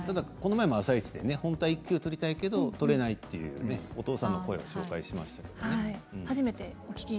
でも「あさイチ」でこの前本当は育休を取りたいけど取れないというお父さんの声を紹介しましたね。